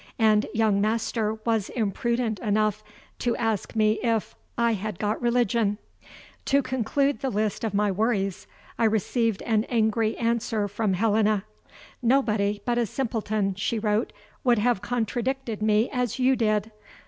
And young Master was impudent enough to ask me if "I had got religion." To conclude the list of my worries, I received an angry answer from Helena. "Nobody but a simpleton," she wrote, "would have contradicted me as you did.